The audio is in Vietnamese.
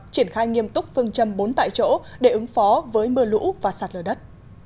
triển khai nghiêm túc phương châm bốn tại chỗ để ứng phó với mưa lũ và sạt lở đất